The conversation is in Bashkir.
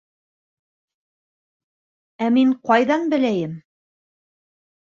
-Ә мин ҡайҙан беләйем?!